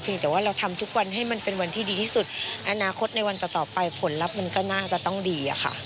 แต่ว่าเราทำทุกวันให้มันเป็นวันที่ดีที่สุดอนาคตในวันต่อต่อไปผลลัพธ์มันก็น่าจะต้องดีอะค่ะ